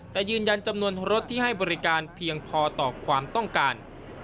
แต่ยืนยันจำนวนรถที่ให้บริการเพียงพอต่อความต้องการ